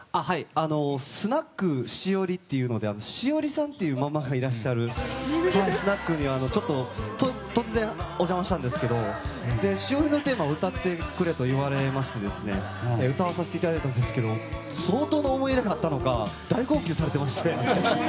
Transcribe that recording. スナック栞って栞さんってママのいるスナックに、ちょっと突然お邪魔したんですけど「栞のテーマ」を歌ってくれと言われまして歌わせていただいたんですけども相当な思い入れがあったのか大号泣されてまして。